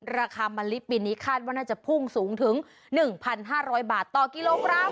ราคามะลิปีนี้คาดว่าน่าจะพุ่งสูงถึง๑๕๐๐บาทต่อกิโลกรัม